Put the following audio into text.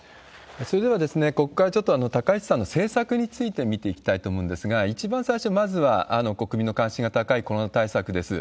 それでは、ここからちょっと高市さんの政策について見ていきたいと思うんですが、一番最初、まずは国民の関心が高いコロナ対策です。